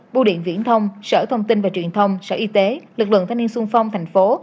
bưu điện viễn thông sở thông tin và truyền thông sở y tế lực lượng thanh niên sung phong thành phố